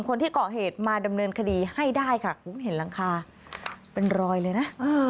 คนที่เกาะเหตุมาดำเนินคดีให้ได้ค่ะคุณเห็นหลังคาเป็นรอยเลยนะ